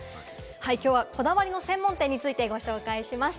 きょうはこだわりの専門店についてご紹介しました。